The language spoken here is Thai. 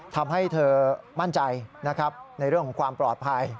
ทำให้เธอมั่นใจนะครับในเรื่องของความปลอดภัย